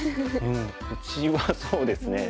内はそうですね。